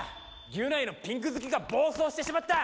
ギュナイのピンク好きが暴走してしまった！